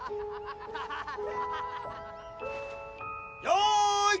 よい。